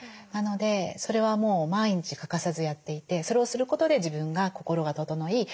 なのでそれはもう毎日欠かさずやっていてそれをすることで自分が心が整い